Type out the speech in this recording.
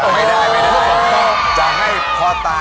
มีผมไม่ได้